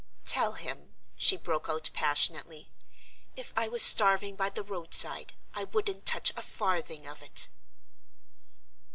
"Tell him," she broke out passionately, "if I was starving by the roadside, I wouldn't touch a farthing of it!"